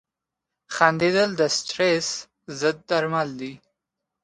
• خندېدل د سټرېس ضد درمل دي.